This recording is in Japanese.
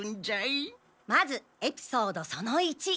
まずエピソードその１。